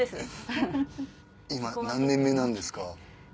今何年目なんですか？